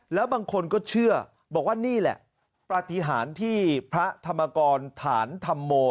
แล้วบางคนก็เชื่อบอกว่านี่แหละปฏิหารที่พระธรรมกรฐานธรรมโม